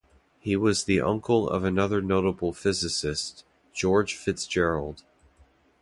He was the uncle of another notable physicist, George FitzGerald.